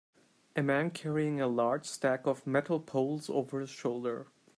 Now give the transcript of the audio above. A man carrying a large stack of metal poles over his shoulder.